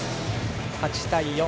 ８対４。